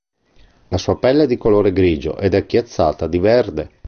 La sua pelle è di colore grigio ed è chiazzata di verde.